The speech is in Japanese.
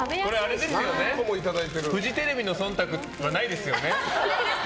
フジテレビの忖度はないですよね？